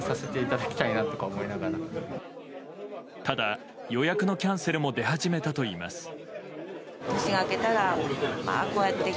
ただ、予約のキャンセルも出始めたといいます。